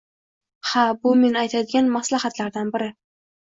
Ha, bu men aytadigan maslahatlardan biri.